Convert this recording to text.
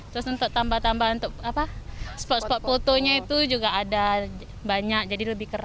terus untuk tambah tambah untuk spot spot fotonya itu juga ada banyak jadi lebih keras